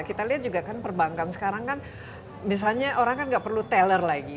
kita lihat juga kan perbankan sekarang kan misalnya orang kan nggak perlu teller lagi